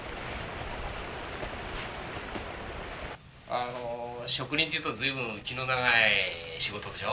あの植林というと随分気の長い仕事でしょ。